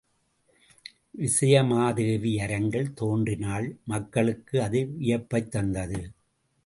விசயமாதேவி அரங்கில் தோன்றினாள் மக்களுக்கு அது வியப்பைத் தந்தது.